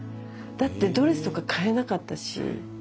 だってドレスとか買えなかったし。